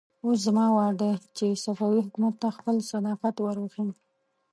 اوس زما وار دی چې صفوي حکومت ته خپل صداقت ور وښيم.